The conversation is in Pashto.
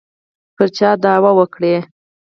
پر چا دعوه وکړي.